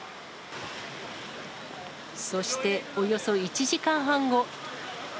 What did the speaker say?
そして、およそ１時間半後。